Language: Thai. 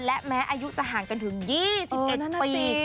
และแม้อายุจะห่างกันถึง๒๑ปี